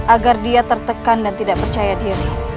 agar dia tertekan dan tidak percaya diri